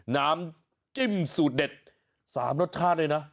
น้ำจิ้มสูตรเด็ด๓รสชาติเลยนะ